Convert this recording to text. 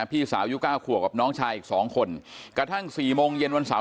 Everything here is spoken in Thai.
พี่สาวัย๙ขวบกับน้องชายอีก๒คนกระทั่ง๔โมงเย็นวันเสาร์